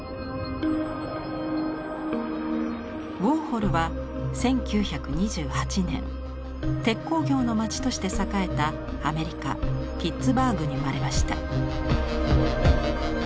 ウォーホルは１９２８年鉄鋼業の街として栄えたアメリカピッツバーグに生まれました。